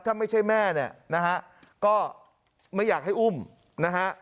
ถ้าไม่ใช่แม่เนี่ยนะฮะก็ไม่อยากให้อุ้มนะฮะ